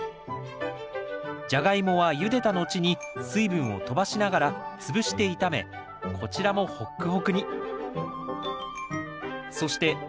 ジャガイモはゆでたのちに水分をとばしながら潰して炒めこちらもホックホクに。